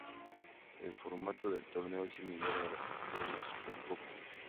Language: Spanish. El formato del torneo es similar al de una Supercopa.